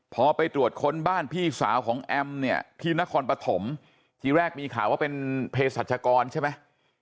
พอไปตรวจค้นบ้านพี่สาวของแอมเนี่ยที่นครปฐมทีแรกมีข่าวว่าเป็นเพศรัชกรใช่ไหม